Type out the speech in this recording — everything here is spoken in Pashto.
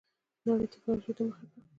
نړۍ ټيکنالوجۍ ته مخه کړه.